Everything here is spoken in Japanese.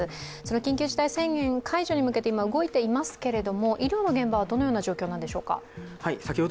緊急事態宣言の解除に向けて動いていますけれども医療の現場はどのような状況なんでしょうか？